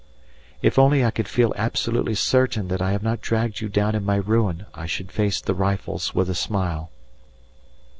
If only I could feel absolutely certain that I have not dragged you down in my ruin I should face the rifles with a smile.